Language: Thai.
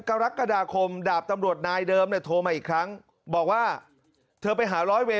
กรกฎาคมดาบตำรวจนายเดิมเนี่ยโทรมาอีกครั้งบอกว่าเธอไปหาร้อยเวร